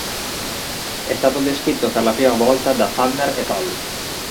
È stato descritto per la prima volta da "Tanner et al".